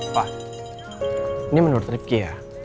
pak ini menurut rifki ya